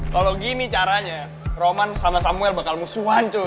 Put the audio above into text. kalo gini caranya roman sama samuel bakal musuhan cuy